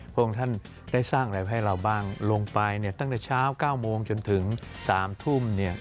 พระองค์ท่านได้สร้างอะไรให้เราบ้างลงไปเนี่ยตั้งแต่เช้า๙โมงจนถึง๓ทุ่มเนี่ย